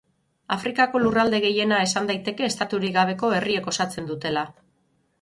Afrikako lurralde gehiena esan daiteke estaturik gabeko herriek osatzen dutela.